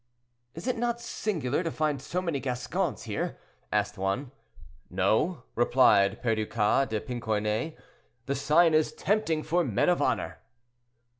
"Is it not singular to find so many Gascons here?" asked one. "No," replied Perducas de Pincornay, "the sign is tempting for men of honor."